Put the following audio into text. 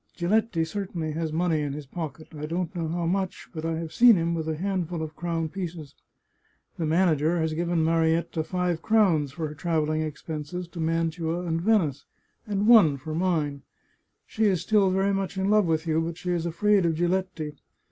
Giletti certainly has money in his pocket. I don't know how much, but I have seen him with a handful of crown pieces. The manager has given Marietta five crowns for her travelling expenses to Mantua and Venice, and one for mine. She is still very much in love with you, but she is afraid of Giletti.